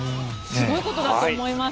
すごいことだと思います。